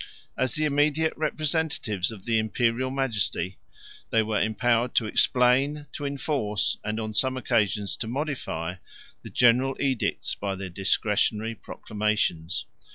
As the immediate representatives of the Imperial majesty, they were empowered to explain, to enforce, and on some occasions to modify, the general edicts by their discretionary proclamations.